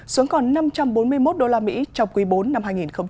xuống còn năm trăm bốn mươi một usd trong quý bốn năm hai nghìn hai mươi ba